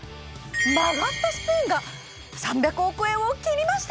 曲がったスプーンが３００億円を切りました！